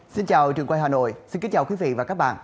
xin chào trường quay hà nội xin kính chào quý vị và các bạn